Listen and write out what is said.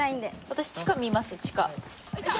私地下見ます地下。